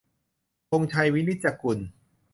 - ธงชัย วินิจจะกูล